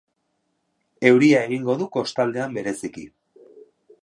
Euria egingo du kostaldean bereziki.